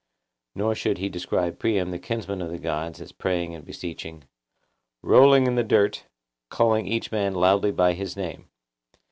Nor should he describe Priam the kinsman of the gods as praying and beseeching, 'Rolling in the dirt, calling each man loudly by his name.